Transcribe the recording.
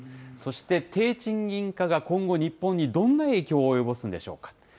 そして低賃金化が今後、日本にどんな影響を及ぼすんでしょうか。